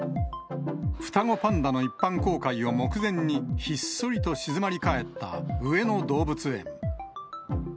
双子パンダの一般公開を目前に、ひっそりと静まり返った上野動物園。